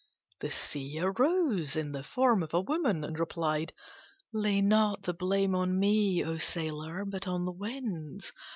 The Sea arose in the form of a woman, and replied, "Lay not the blame on me, O sailor, but on the Winds.